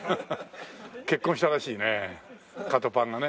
結婚したらしいねカトパンがね。